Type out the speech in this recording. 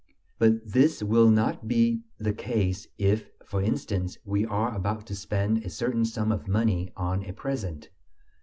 But this will not be the case if, for instance, we are about to spend a certain sum of money on a present.